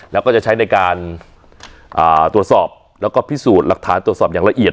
แล้วก็จะใช้ในการตรวจสอบแล้วก็พิสูจน์หลักฐานตรวจสอบอย่างละเอียด